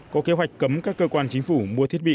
có kế hoạch cấm các cơ quan chính phủ mua thiết bị